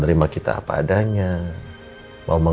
terima kasih banyak banyak